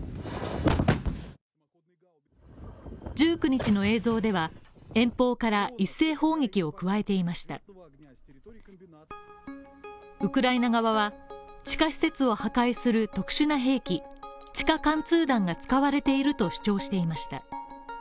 １９日の映像では、遠方から一斉砲撃を加えていましたウクライナ側は地下施設を破壊する特殊な兵器・地下貫通弾が使われていると主張していました。